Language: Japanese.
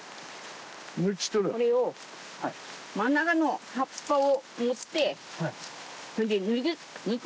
これを真ん中の葉っぱを持ってそれで抜く。